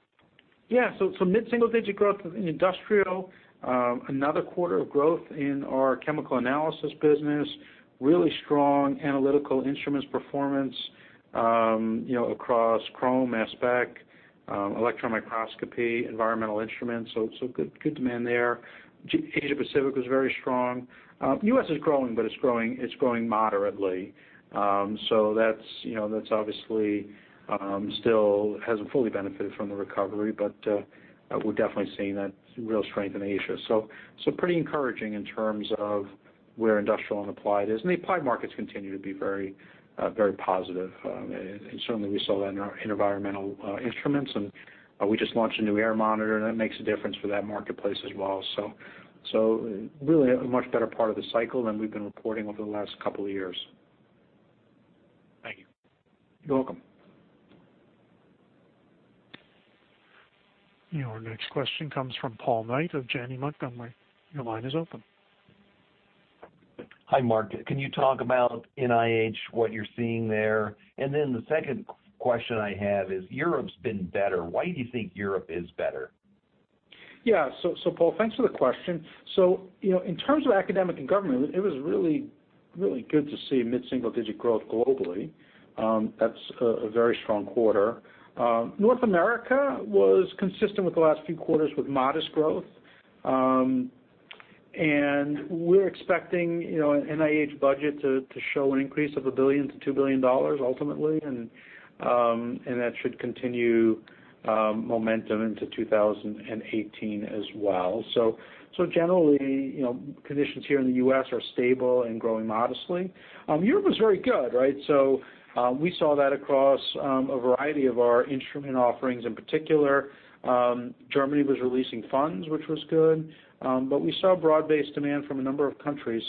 C: Yeah. Mid-single digit growth in industrial. Another quarter of growth in our chemical analysis business. Really strong Analytical Instruments performance across chromatography, mass spec, electron microscopy, environmental instruments. Good demand there. Asia Pacific was very strong. U.S. is growing, but it's growing moderately. That obviously still hasn't fully benefited from the recovery, but we're definitely seeing that real strength in Asia. Pretty encouraging in terms of where industrial and applied is. The applied markets continue to be very positive. Certainly, we saw that in our environmental instruments, and we just launched a new air monitor, and that makes a difference for that marketplace as well. Really, a much better part of the cycle than we've been reporting over the last couple of years.
K: Thank you.
C: You're welcome.
A: Your next question comes from Paul Knight of Janney Montgomery. Your line is open.
L: Hi, Marc. Can you talk about NIH, what you're seeing there? The second question I have is, Europe's been better. Why do you think Europe is better?
C: Yeah. Paul, thanks for the question. In terms of academic and government, it was really good to see mid-single digit growth globally. That's a very strong quarter. North America was consistent with the last few quarters with modest growth. We're expecting NIH budget to show an increase of $1 billion-$2 billion ultimately, and that should continue momentum into 2018 as well. Generally, conditions here in the U.S. are stable and growing modestly. Europe was very good, right? We saw that across a variety of our instrument offerings. In particular, Germany was releasing funds, which was good. We saw broad-based demand from a number of countries.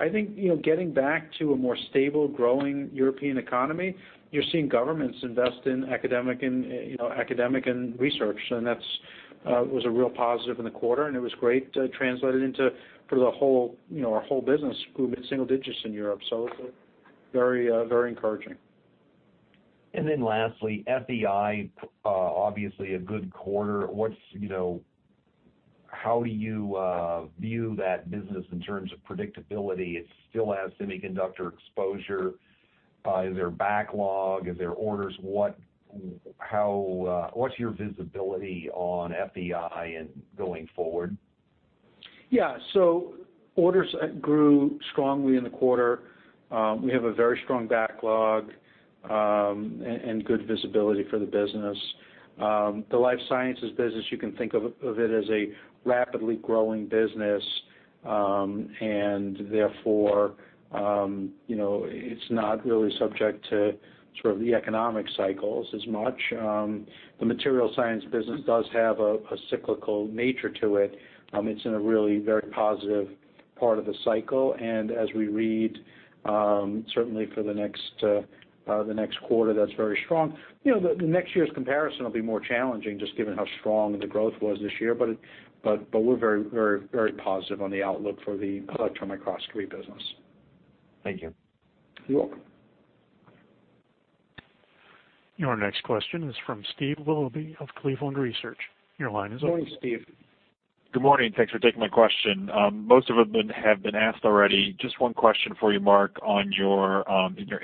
C: I think, getting back to a more stable, growing European economy, you're seeing governments invest in academic and research, and that was a real positive in the quarter, and it was great. It translated into our whole business grew mid-single digits in Europe, so very encouraging.
L: lastly, FEI, obviously a good quarter. How do you view that business in terms of predictability? It still has semiconductor exposure. Is there backlog? Is there orders? What's your visibility on FEI and going forward?
C: Yeah. Orders grew strongly in the quarter. We have a very strong backlog, and good visibility for the business. The life sciences business, you can think of it as a rapidly growing business, and therefore, it's not really subject to sort of the economic cycles as much. The material science business does have a cyclical nature to it. It's in a really very positive part of the cycle, and as we read, certainly for the next quarter, that's very strong. The next year's comparison will be more challenging, just given how strong the growth was this year. We're very positive on the outlook for the electron microscopy business.
L: Thank you.
C: You're welcome.
A: Your next question is from Steve Willoughby of Cleveland Research. Your line is open.
C: Morning, Steve.
M: Good morning. Thanks for taking my question. Most of them have been asked already. Just one question for you, Marc, on your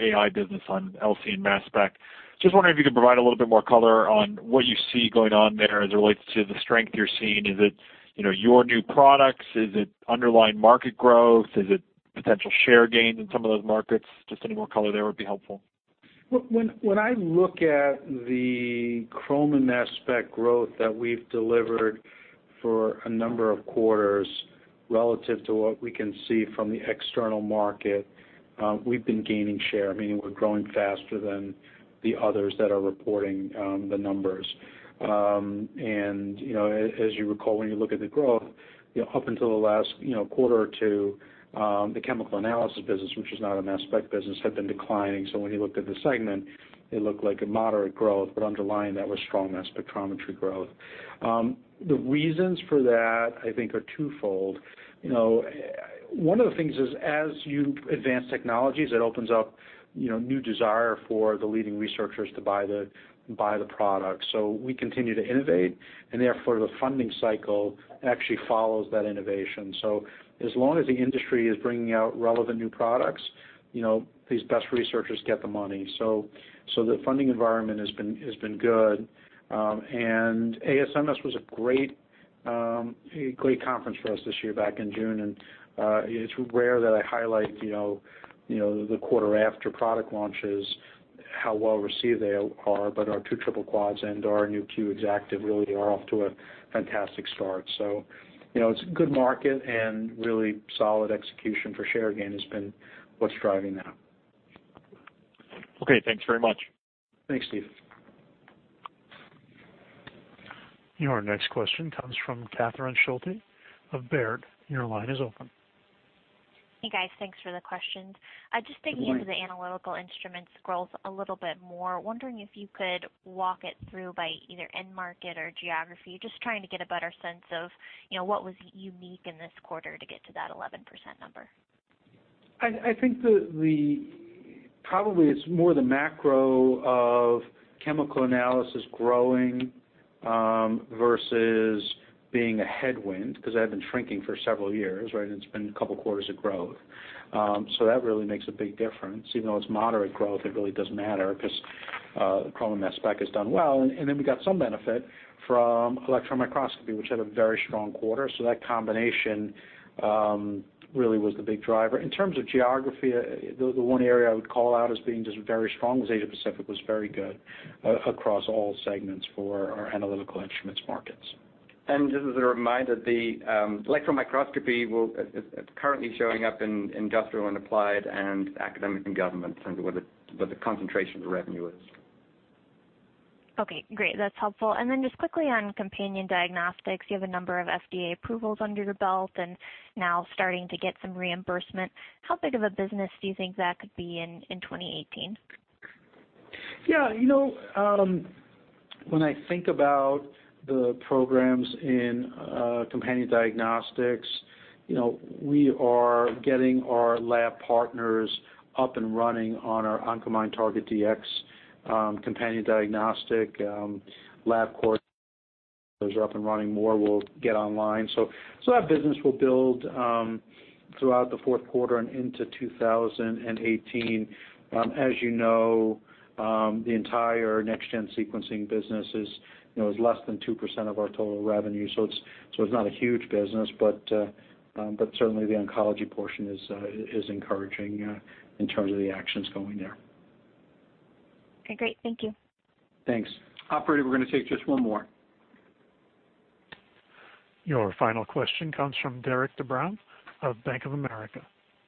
M: AI business on LC and mass spec. Just wondering if you could provide a little bit more color on what you see going on there as it relates to the strength you're seeing. Is it your new products? Is it underlying market growth? Is it potential share gains in some of those markets? Just any more color there would be helpful.
C: When I look at the chrome and mass spec growth that we've delivered for a number of quarters relative to what we can see from the external market, we've been gaining share, meaning we're growing faster than the others that are reporting the numbers. As you recall, when you look at the growth, up until the last quarter or two, the chemical analysis business, which is not a mass spec business, had been declining. When you looked at the segment, it looked like a moderate growth, but underlying that was strong mass spectrometry growth. The reasons for that, I think, are twofold. One of the things is as you advance technologies, it opens up new desire for the leading researchers to buy the product. We continue to innovate, and therefore, the funding cycle actually follows that innovation. As long as the industry is bringing out relevant new products, these best researchers get the money. The funding environment has been good. ASMS was a great conference for us this year back in June. It's rare that I highlight the quarter after product launches, how well received they are, but our two triple quads and our new Q Exactive really are off to a fantastic start. It's a good market and really solid execution for share gain has been what's driving that.
M: Okay, thanks very much.
C: Thanks, Steve.
A: Your next question comes from Catherine Schulte of Baird. Your line is open.
N: Hey, guys. Thanks for the questions.
C: Hi
N: into the Analytical Instruments growth a little bit more. Wondering if you could walk it through by either end market or geography. Just trying to get a better sense of what was unique in this quarter to get to that 11% number.
C: I think probably it's more the macro of chemical analysis growing versus being a headwind, because that had been shrinking for several years, right? It's been a couple quarters of growth. That really makes a big difference. Even though it's moderate growth, it really does matter because the chrom mass spec has done well. Then we got some benefit from electron microscopy, which had a very strong quarter. That combination really was the big driver. In terms of geography, the one area I would call out as being just very strong was Asia Pacific, was very good across all segments for our Analytical Instruments markets.
D: Just as a reminder, the electron microscopy is currently showing up in industrial and applied and academic and government in terms of where the concentration of the revenue is.
N: Okay, great. That's helpful. Just quickly on companion diagnostics, you have a number of FDA approvals under your belt and now starting to get some reimbursement. How big of a business do you think that could be in 2018?
C: Yeah. When I think about the programs in companion diagnostics, we are getting our lab partners up and running on our Oncomine Dx Target companion diagnostic lab are up and running, more will get online. That business will build throughout the fourth quarter and into 2018. As you know, the entire next-gen sequencing business is less than 2% of our total revenue. It's not a huge business, but certainly the oncology portion is encouraging in terms of the actions going there.
N: Okay, great. Thank you.
C: Thanks. Operator, we're going to take just one more.
A: Your final question comes from Derik de Bruin of Bank of America.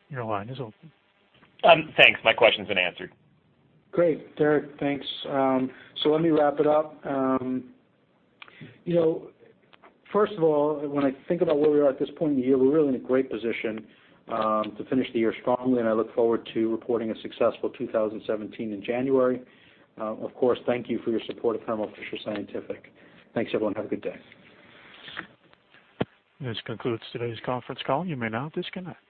A: Your line is open.
E: Thanks. My question's been answered.
C: Great, Derik, thanks. Let me wrap it up. First of all, when I think about where we are at this point in the year, we're really in a great position to finish the year strongly, and I look forward to reporting a successful 2017 in January. Of course, thank you for your support of Thermo Fisher Scientific. Thanks, everyone. Have a good day.
A: This concludes today's conference call. You may now disconnect.